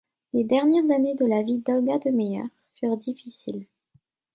Les dernières années de la vie d'Olga de Meyer furent difficiles.